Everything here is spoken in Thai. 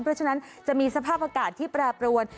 เพราะฉะนั้นจะมีสภาพอากาศที่แปรปรวน